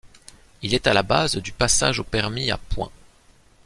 Il est à la base du passage au permis à point.